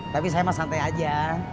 tapi saya mas santai aja